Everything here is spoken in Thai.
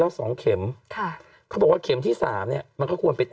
แล้วสองเข็มค่ะเขาบอกว่าเข็มที่สามเนี้ยมันก็ควรเป็น